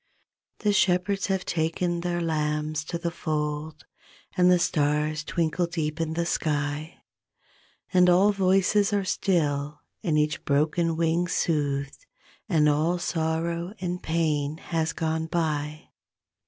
The Shepherds have taken their lambs to the fold And the stars twinkle deep in the sky, And all voices are still and each broken wing soothed, And all sorrow and pain has gone by.